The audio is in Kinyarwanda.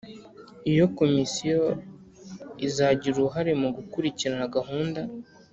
iyo komisiyo izagira uruhare mu gukurikirana gahunda